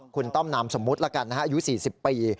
คุณต้อมนามสมมุติแล้วกันนะฮะอายุ๔๐ปี